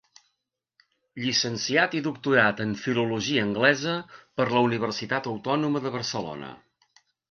Llicenciat i Doctorat en Filologia Anglesa per la Universitat Autònoma de Barcelona.